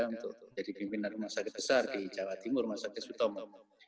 untuk jadi pimpinan rumah sakit besar di jawa timur rumah sakit sutomo